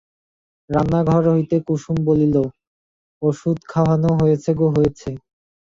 রান্নাঘর হইতে কুসুম বলিল, ওষুধ খাওয়ানো হয়েছে গো হয়েছে।